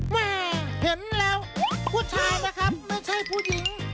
แม่เห็นแล้วผู้ชายนะครับไม่ใช่ผู้หญิง